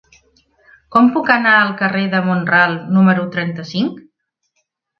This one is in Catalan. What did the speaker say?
Com puc anar al carrer de Mont-ral número trenta-cinc?